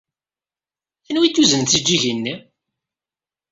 Anwa ay d-yuznen tijejjigin-nni?